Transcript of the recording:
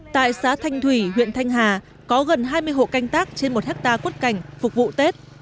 tại xã thanh thủy huyện thanh hà có gần hai mươi hộ canh tác trên một hectare quất cảnh phục vụ tết